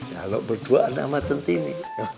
kalau berdua sama centini